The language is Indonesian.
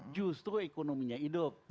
justru ekonominya hidup